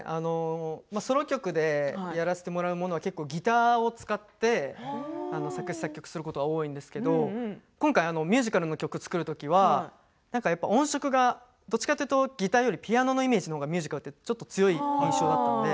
ソロ曲でやらせてもらうものはギターを使って作詞・作曲することが多いんですけれど今回、ミュージカルの曲を作るときは音色が、どちらかというとギターよりピアノのイメージがミュージカルは印象が強いので。